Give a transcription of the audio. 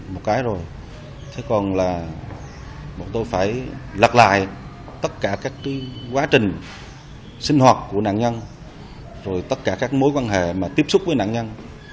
một cái rồi thế còn là bọn tôi phải lặt lại tất cả các quá trình sinh hoạt của nạn nhân rồi tất cả các mối quan hệ mà tiếp xúc với nạn nhân